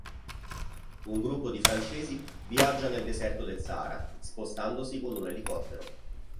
Un gruppo di francesi viaggia nel deserto del Sahara, spostandosi con un elicottero.